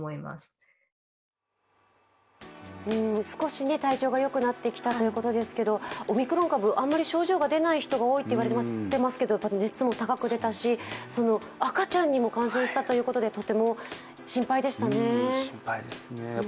少し体調がよくなってきたということですけれども、オミクロン株、あまり症状が出ない人が多いといわれていますけど熱も高く出たし、赤ちゃんにも感染したということで